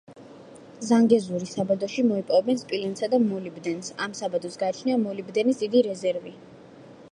ზანგეზურის საბადოში, მოიპოვებენ სპილენძსა და მოლიბდენს, ამ საბადოს გააჩნია მოლიბდენის დიდი რეზერვი.